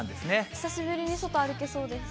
久しぶりに外歩けそうです。